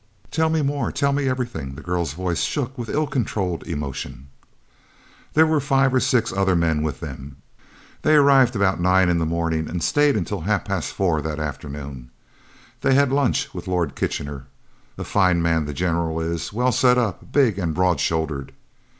"Tell me more, tell me everything," the girl's voice shook with ill controlled emotion. "There were five or six other men with them. They arrived at about nine in the morning and stayed until half past four that afternoon. They had lunch with Lord Kitchener. A fine man the General is, well set up, big and broad shouldered."